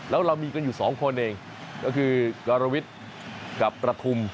แล้วเรามีกันอยู่สองคนเองก็คือกรวิทย์กับประทุม